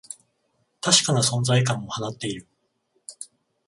確かな存在感を放っている